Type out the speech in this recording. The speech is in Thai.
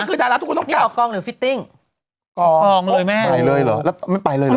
ก็คือฟิตติ้งกล่องเลยแม่งไปเลยหรอน่ะไม่ไปเลย